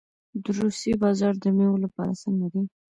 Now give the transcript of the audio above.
د روسیې بازار د میوو لپاره څنګه دی؟